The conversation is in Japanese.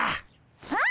ああ。